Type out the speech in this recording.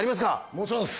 もちろんっす。